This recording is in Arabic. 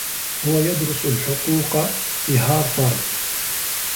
هو يدرس الحقوق في هارفرد.